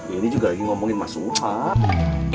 ini juga lagi ngomongin masuhah